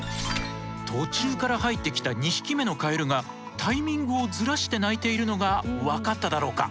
途中から入ってきた２匹目のカエルがタイミングをズラして鳴いているのがわかっただろうか。